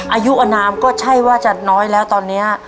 อายุอนามก็ใช่ว่าจะน้อยแล้วตอนนี้